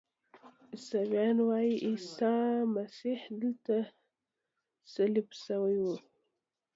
عیسویان وایي عیسی مسیح دلته صلیب شوی و.